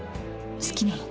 好きなの？